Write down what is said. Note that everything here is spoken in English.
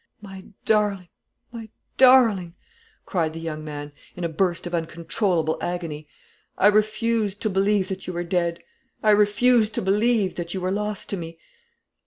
My darling, my darling," cried the young man, in a burst of uncontrollable agony, "I refused to believe that you were dead; I refused to believe that you were lost to me.